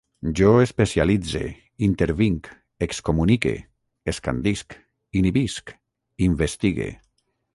Jo especialitze, intervinc, excomunique, escandisc, inhibisc, investigue